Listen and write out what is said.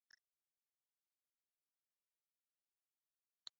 ドームは傷一つなかった